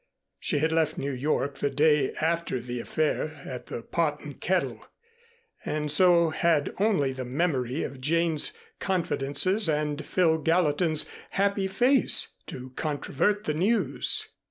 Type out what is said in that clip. She had left New York the day after the affair at "The Pot and Kettle," and so had only the memory of Jane's confidences and Phil Gallatin's happy face to controvert the news.